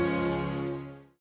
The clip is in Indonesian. koneksnya rare jadi lo